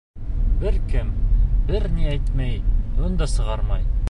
Бер кем бер ни әйтмәй, өн дә сығармай.